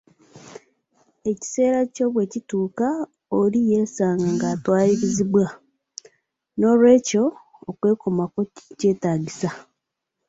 Ekiseera kyo bwe kituuka oli yeesanga nga atwalirizibbwa, nolwekyo okwekomako kwetaagisa.